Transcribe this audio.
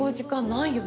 ないよ。